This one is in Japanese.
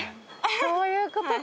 そういうことか。